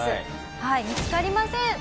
はい見付かりません。